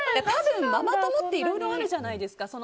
多分、ママ友っていろいろあるじゃないですか。